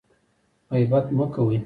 غیبت مه کوئ